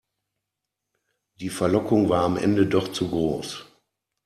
Die Verlockung war am Ende doch zu groß.